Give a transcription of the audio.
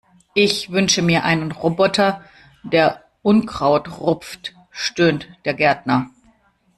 "Ich wünsche mir einen Roboter, der Unkraut rupft", stöhnt der Gärtner.